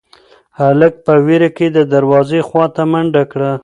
هلک په وېره کې د دروازې خواته منډه کړه.